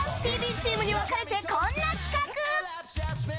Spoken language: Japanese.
チームに分かれて、こんな企画！